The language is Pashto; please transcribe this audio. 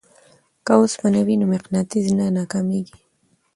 که اوسپنه وي نو مقناطیس نه ناکامیږي.